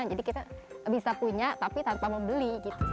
jadi kita bisa punya tapi tanpa mau beli